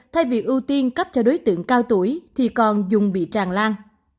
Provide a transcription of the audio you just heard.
thay vì ưu tiên cấp cho đối tượng cao tuổi thì còn dùng bị tràn lan